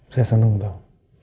saya senang tau